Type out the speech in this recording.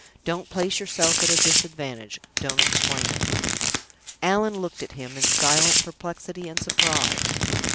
"Don't place yourself at a disadvantage. Don't explain it." Allan looked at him, in silent perplexity and surprise.